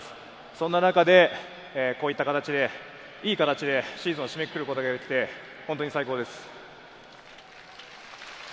そんな中でこういった形でいい形でシーズンを締めくくることができて、本当に最高です。